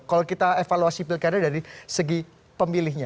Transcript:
kalau kita evaluasi pilkada dari segi pemilihnya